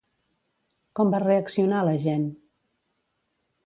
Com va reaccionar l'agent?